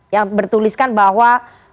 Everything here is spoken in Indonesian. yang bertuliskan bahwa